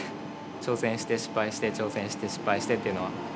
挑戦して失敗して挑戦して失敗してっていうのは。